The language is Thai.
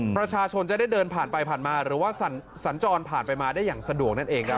ประชาชนจะได้เดินผ่านไปผ่านมาหรือว่าสัญจรผ่านไปมาได้อย่างสะดวกนั่นเองครับ